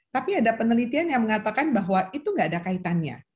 tapi ada penelitian yang mengatakan bahwa itu gak ada kaitannya